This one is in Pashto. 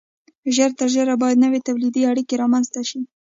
ژر تر ژره باید نوې تولیدي اړیکې رامنځته شي.